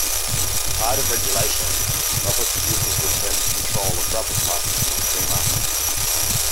Tired of regulation, rubber producers returned control of rubber prices to the free market.